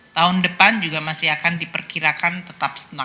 tahun depan juga masih akan diperkirakan tetap stagnan di tiga dua